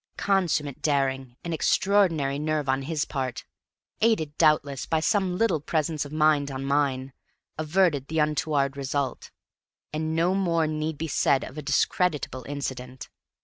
Consummate daring and extraordinary nerve on his part, aided, doubtless, by some little presence of mind on mine, averted the untoward result; and no more need be said of a discreditable incident.